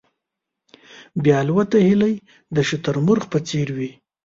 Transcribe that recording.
بې الوته هیلۍ د شتر مرغ په څېر وې.